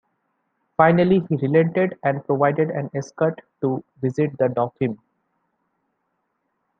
Finally, he relented, and provided an escort to visit the Dauphin.